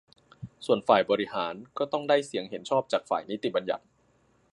ส่วนฝ่ายบริหารก็ต้องได้เสียงเห็นชอบจากฝ่ายนิติบัญญัติ